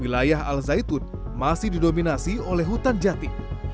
wilayah al zaitun masih didominasi